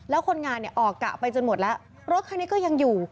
แล้วคนงานเนี่ยออกกะไปจนหมดแล้วรถคันนี้ก็ยังอยู่